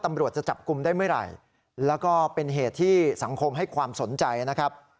ตำรวจจะจับกลุ่มได้เมื่อไหร่แล้วก็เป็นเหตุที่สังคมให้ความสนใจนะครับ